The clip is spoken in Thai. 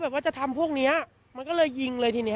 ว่าจะทำพวกเนี้ยมันก็เลยยิงเลยทีนี้